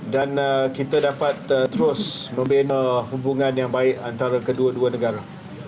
dan kita dapat terus membina hubungan yang baik antara kedua dua negara